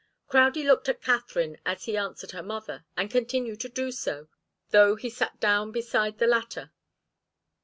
Crowdie looked at Katharine, as he answered her mother, and continued to do so, though he sat down beside the latter.